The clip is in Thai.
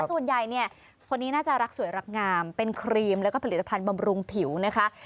ส่วนใหญ่เนี่ยคนนี้น่าจะรักสวยรักงามเป็นครีมแล้วก็ผลิตภัณฑ์บำรุงผิวนะคะ